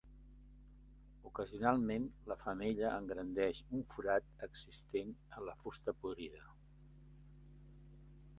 Ocasionalment la femella engrandeix un forat existent en la fusta podrida.